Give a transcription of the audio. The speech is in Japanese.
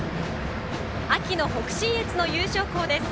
秋の北信越の優勝校です。